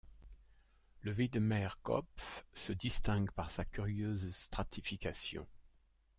Le Wiedemer Kopf se distingue par sa curieuse stratification.